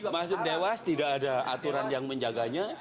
maksud dewas tidak ada aturan yang menjaganya